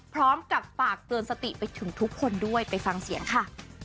พร้อมกับฝากเตือนสติไปถึงทุกคนด้วยไปฟังเสียงค่ะ